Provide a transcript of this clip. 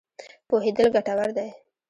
پوهېدل ګټور دی.